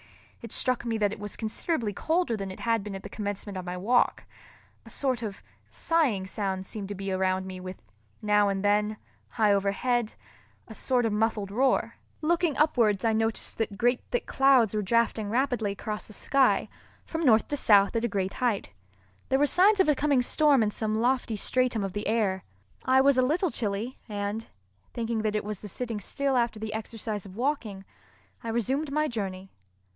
It struck me that it was considerably colder than it had been at the commencement of my walk—a sort of sighing sound seemed to be around me with, now and then, high overhead, a sort of muffled roar. Looking upwards I noticed that great thick clouds were drafting rapidly across the sky from north to south at a great height. There were signs of a coming storm in some lofty stratum of the air. I was a little chilly, and, thinking that it was the sitting still after the exercise of walking, I resumed my journey.